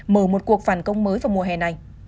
mở một cuộc phản công mới vào mùa hè này